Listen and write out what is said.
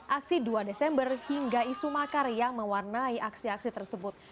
aksi dua desember hingga isu makar yang mewarnai aksi aksi tersebut